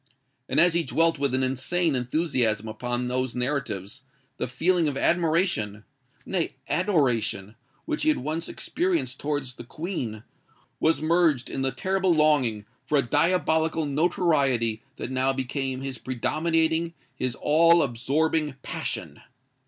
And as he dwelt with an insane enthusiasm upon those narratives, the feeling of admiration—nay, adoration—which he had once experienced towards the Queen, was merged in the terrible longing for a diabolical notoriety that now became his predominating—his all absorbing passion!